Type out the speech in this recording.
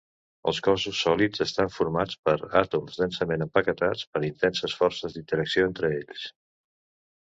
Els cossos sòlids estan formats per àtoms densament empaquetats per intenses forces d'interacció entre ells.